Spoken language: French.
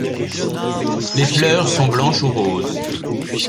Les fleurs sont blanches ou roses.